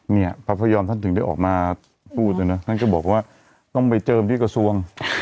เนี่ยพระพยอมท่านถึงได้ออกมาพูดนะนะท่านก็บอกว่าต้องไปเจิมที่กระทรวง